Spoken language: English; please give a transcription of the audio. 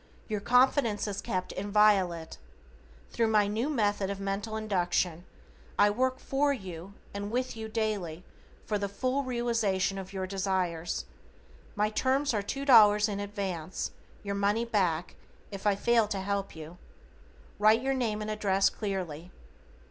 Your confidence is kept inviolate. Thru my new Method of Mental Induction, I work for you and with you daily for the full realization of your desires. My terms are $2 in advance, your money back, if I fail to help you. Write your name and address clearly.